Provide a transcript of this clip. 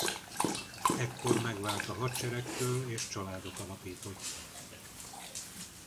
Ekkor megvált a hadseregtől és családot alapított.